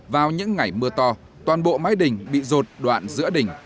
vào những ngày mưa to toàn bộ mái đình bị rột đoạn giữa đình